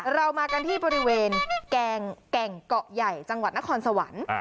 เรามากันที่บริเวณแก่งเกาะใหญ่จังหวัดนครสวรรค์